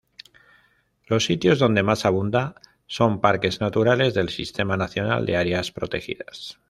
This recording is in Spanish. Los sitios donde más abunda son parques naturales del Sistema Nacional de Áreas Protegidas.